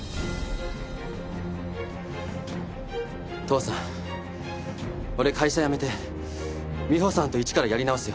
父さん俺会社辞めて美穂さんと一からやり直すよ。